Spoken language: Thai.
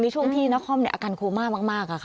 ในช่วงที่นาคอมอากันโคมาก